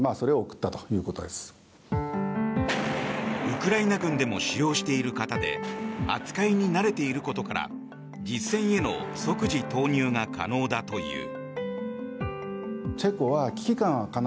ウクライナ軍でも使用している型で扱いに慣れていることから実戦への即時投入が可能だという。